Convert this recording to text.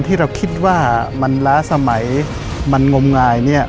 ถ้ามันล้าสมัยมันงมงายเนี่ย